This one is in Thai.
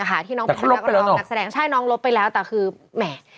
แต่เขาลบไปแล้วเนอะหรอนักแสดงใช่น้องลบไปแล้วแต่คือแหม่